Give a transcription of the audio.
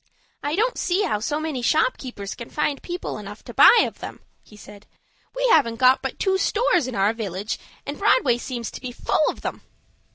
"I don't see how so many shopkeepers can find people enough to buy of them," he said. "We haven't got but two stores in our village, and Broadway seems to be full of them."